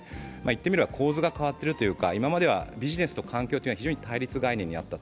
言ってみれば構図が変わっているというか、今まではビジネスと環境は非常に対立概念にあった。